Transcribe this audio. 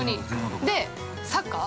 ◆サッカー？